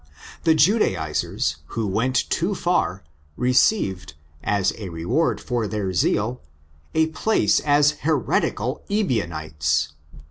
The Judaisers who went too far received, as a reward for their zeal, a place as heretical '' Ebionites.